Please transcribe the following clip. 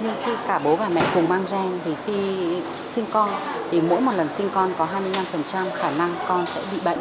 nhưng khi cả bố và mẹ cùng mang gen thì khi sinh con thì mỗi một lần sinh con có hai mươi năm khả năng con sẽ bị bệnh